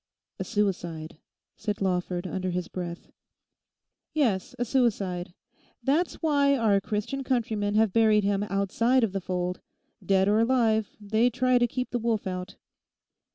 'A suicide,' said Lawford, under his breath. 'Yes, a suicide; that's why our Christian countrymen have buried him outside of the fold. Dead or alive, they try to keep the wolf out.